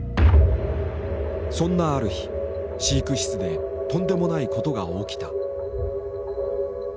そんなある日飼育室でとんでもないことが起きた。